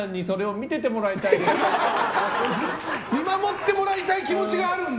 見守ってもらいたい気持ちがあるんだ。